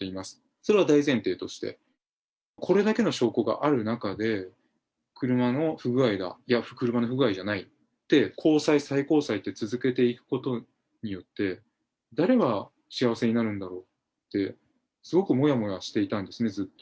それは大前提として、これだけの証拠がある中で、車の不具合が、いや、車の不具合じゃない、高裁、最高裁と続けていくことによって、誰が幸せになるんだろうって、すごくもやもやしていたんですね、ずっと。